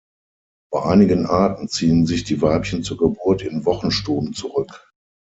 Bei einigen Arten ziehen sich die Weibchen zur Geburt in Wochenstuben zurück.